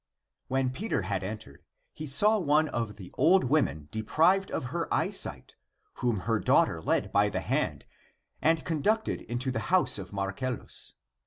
When Peter had entered, he saw one of the old women deprived of her eyesight, whom her daughter led by the hand and conducted into the house of Marcellus.